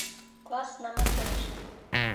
КЛАСС НАМЫҪЫ ӨСӨН